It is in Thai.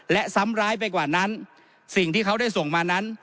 และซ้ำร้ายไปกว่านั้นสิ่งที่เขาได้ส่งมานั้น